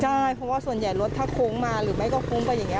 ใช่เพราะว่าส่วนใหญ่รถถ้าโค้งมาหรือไม่ก็โค้งไปอย่างนี้